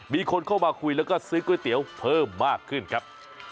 มีคนเข้ามาคุยแล้วก็ซื้อก๋วยเตี๋ยวเพิ่มมากขึ้นครับ